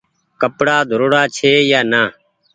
ڪپڙآ ڌوڙاڙا ڇي يا نآ